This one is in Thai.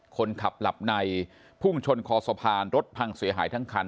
คนขับหลับในพุ่งชนคอสะพานรถพังเสียหายทั้งคัน